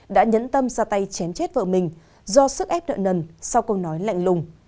đã nhấn tâm ra tay chém chết vợ mình do sức ép nợ nần sau câu nói lạnh lùng